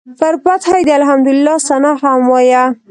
پر فتحه یې د الحمدلله ثناء هم وایه.